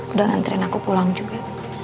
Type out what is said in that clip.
udah nganterin aku pulang juga